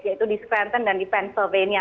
yaitu di sventent dan di pennsylvania